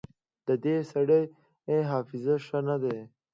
د دې سړي حافظه ښه نه ده